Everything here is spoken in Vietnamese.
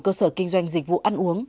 cơ sở kinh doanh dịch vụ ăn uống